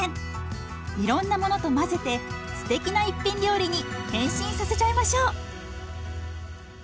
いろんなものと混ぜてすてきな一品料理に変身させちゃいましょう。